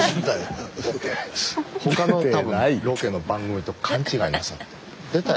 他の多分ロケの番組と勘違いなさって「出たやろ」っつって。